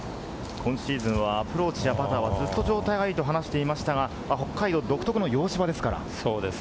今シーズンのアプローチはパター、ずっと状態がいいと話していましたが、北海道独特の洋芝ですから。